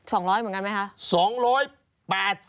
๒๐๐เหมือนกันไหมคะ